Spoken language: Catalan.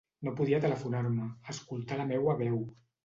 No podia telefonar-me, escoltar la meua veu.